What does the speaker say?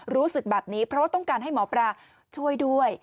รู้สึกแบบนี้เพราะว่าต้องการให้หมอปลาช่วยด้วย